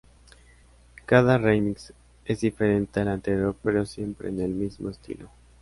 Cada remix es diferente al anterior pero siempre en el mismo estilo.